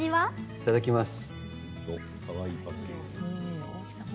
いただきます。